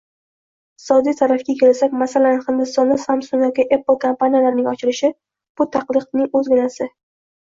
Iqtisodiy tarafga kelsak, masalan, Hindistonda Samsung yoki Apple kompaniyalarining ochilishi – bu taqlidning oʻzginasi.